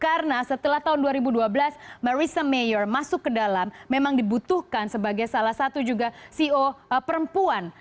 karena setelah tahun dua ribu dua belas marissa mayer masuk ke dalam memang dibutuhkan sebagai salah satu juga ceo perempuan